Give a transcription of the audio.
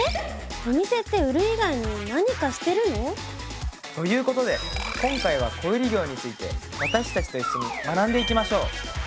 お店って売る以外に何かしてるの？ということで今回は小売業について私たちと一緒に学んでいきましょう！